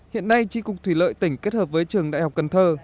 hiện nay tri cục thủy lợi tỉnh kết hợp với trường đại học cần thơ